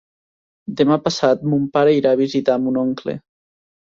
Demà passat mon pare irà a visitar mon oncle.